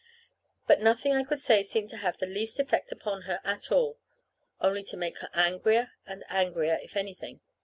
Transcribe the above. But nothing I could say seemed to have the least effect upon her at all, only to make her angrier and angrier, if anything.